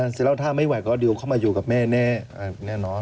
เวลาเจออาทิตย์แล้วถ้าไม่ไหวก็อดีลเข้ามาอยู่กับแม่แน่นอน